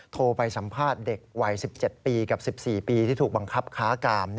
โทรไปสัมภาษณ์เด็กวัย๑๗ปีกับ๑๔ปีที่ถูกบังคับค้ากาม